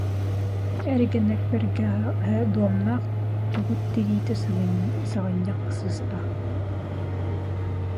Эргэ нэк бэргэһэ дуомнаах, тугут тириитэ саҕынньах сыыстаах